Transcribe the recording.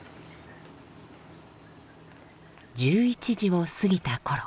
１１時を過ぎたころ。